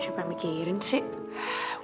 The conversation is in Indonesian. siapa mikirin sih